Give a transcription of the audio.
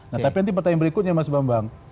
nah tapi yang berikutnya mas bambang